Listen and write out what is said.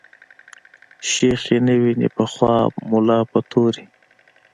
شيخ ئې نه ويني په خواب ملا په توري